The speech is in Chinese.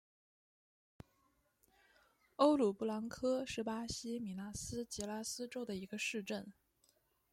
欧鲁布兰科是巴西米纳斯吉拉斯州的一个市镇。